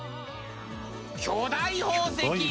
巨大宝石！